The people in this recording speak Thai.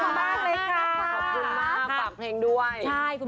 ขอบคุณมากปากเพลงด้วย